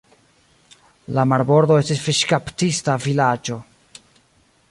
La marbordo estis fiŝkaptista vilaĝo.